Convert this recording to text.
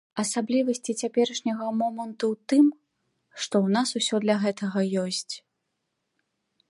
Асаблівасці цяперашняга моманту ў тым, што ў нас ўсё для гэтага ёсць.